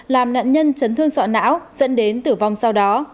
làm nạn nhân chấn thương sọ não dẫn đến tử vong sau đó